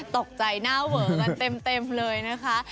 ตกใจหน้าเวอกันเต็มเลยนะคะ